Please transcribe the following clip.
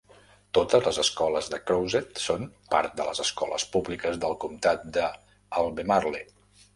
Totes les escoles de Crozet són part de les escoles públiques del comtat de Albemarle.